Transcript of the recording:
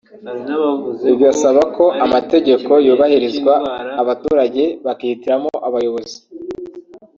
igasaba ko amategeko yubahirizwa abaturage bakihitiramo abayobozi